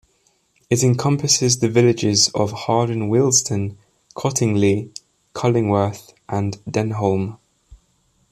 It encompasses the villages of Harden, Wilsden, Cottingley, Cullingworth and Denholme.